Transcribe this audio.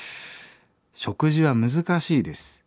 「食事は難しいです。